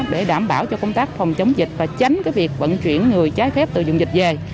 để đảm bảo cho công tác phòng chống dịch và tránh việc vận chuyển người trái phép từ dùng dịch về